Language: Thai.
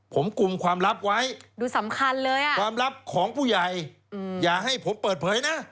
ผมกลุ่มความลับไว้ความลับของผู้ใหญ่อย่าให้ผมเปิดเผยนะ